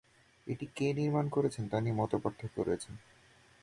এটি কে নির্মাণ করেছেন তা নিয়ে মতপার্থক্য রয়েছে।